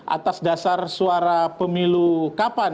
atas dasar suara pemilu kapan